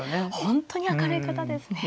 本当に明るい方ですね。